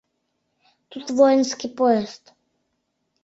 Тут воинский поезд...